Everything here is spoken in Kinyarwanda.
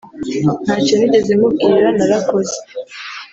ntacyo nigeze mubwira narakoze